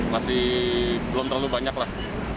masih belum terlalu banyak lah